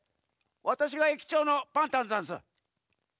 わたしがえきちょうのパンタンざんす。